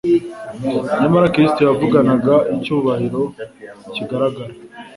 Nyamara Kristo yavuganaga icyubahiro kigaragara,